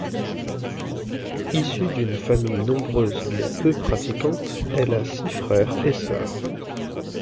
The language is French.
Issue d'une famille nombreuse mais peu pratiquante, elle a six frères et sœurs.